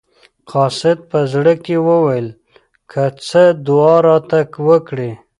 قاصد په زړه کې وویل که څه دعا راته وکړي.